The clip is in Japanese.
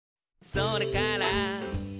「それから」